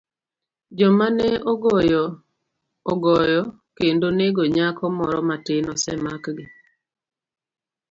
Joma ne ogoyo kendo nego nyako moro matin osemakgi